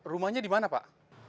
rumahnya di mana pak